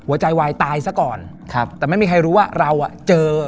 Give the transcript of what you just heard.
หัวใจวายตายซะก่อนครับแต่ไม่มีใครรู้ว่าเราอ่ะเจอ